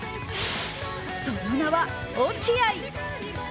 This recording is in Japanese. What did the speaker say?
その名は、落合。